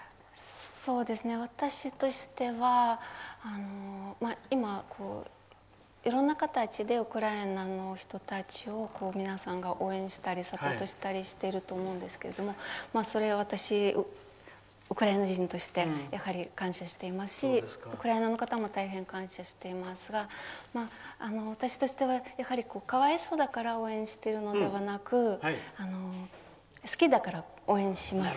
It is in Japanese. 私としては今、いろんな形でウクライナの人たちを皆さんが応援したりサポートしていると思いますがそれは私、ウクライナ人として感謝していますしウクライナの方も大変感謝していますが私としては、かわいそうだから応援しているのではなく好きだから応援します